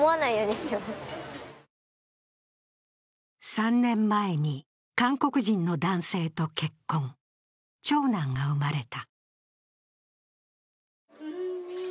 ３年前に韓国人の男性と結婚、長男が生まれた。